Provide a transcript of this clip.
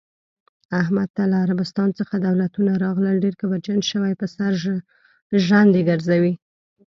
احمد ته له عربستان څخه دولتونه راغلل، ډېر کبرجن شوی، په سر ژرندې ګرځوی.